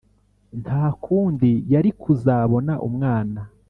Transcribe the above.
ntakundi yarikuzabona umwana